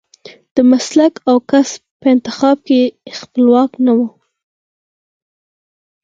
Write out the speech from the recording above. د مسلک او کسب په انتخاب کې خپلواک نه و.